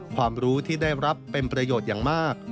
ความรู้ที่ได้รับเป็นประโยชน์อย่างมาก